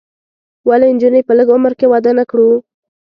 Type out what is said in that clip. ولې نجونې په لږ عمر کې واده نه کړو؟